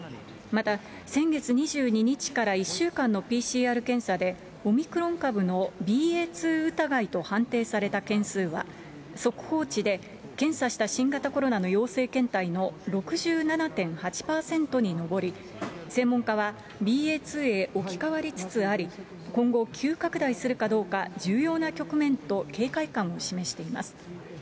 また、先月２２日から１週間のＰＣＲ検査で、オミクロン株のＢＡ．２疑いと判定された件数は、速報値で検査した新型コロナの陽性検体の６７．８％に上り、専門家は、ＢＡ．２へ置き換わりつつあり、今後急拡大するかどうか、重要な局面と警戒感を示しています。